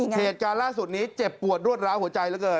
เหตุการณ์ล่าสุดนี้เจ็บปวดรวดร้าวหัวใจเหลือเกิน